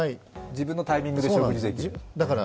自分のタイミングで食事できるから。